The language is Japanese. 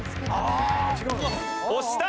押した！